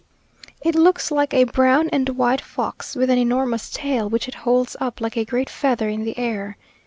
It looks like a brown and white fox, with an enormous tail, which it holds up like a great feather in the air.